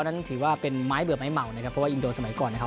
นั้นถือว่าเป็นไม้เบื่อไม้เมานะครับเพราะว่าอินโดสมัยก่อนนะครับ